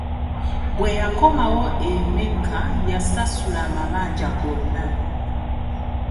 Bwe yakomawo e Mecca yasasula amabanja gonna.